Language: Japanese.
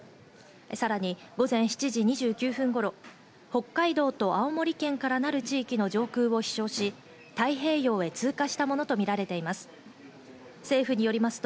さらに午前７時２９分頃、北海道と青森県からなる地域の上空を飛翔し、太平洋へ通過したものとみられています。